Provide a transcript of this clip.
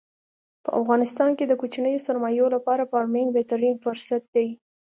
په افغانستان کې د کوچنیو سرمایو لپاره فارمنګ بهترین پرست دی.